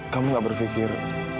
kamu nggak berpikir